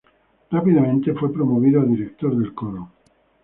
Rápidamente fue promovido a director del coro.